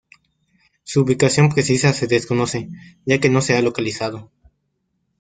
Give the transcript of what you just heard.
Su ubicación precisa se desconoce, ya que no se ha localizado.